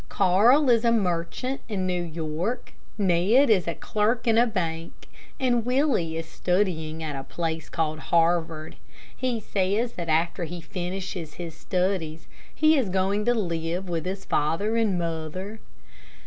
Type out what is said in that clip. Carl is a merchant in New York, Ned is a clerk in a bank, and Willie is studying at a place called Harvard. He says that after he finishes his studies, he is going to live with his father and mother.